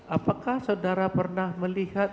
apakah saudara pernah melihat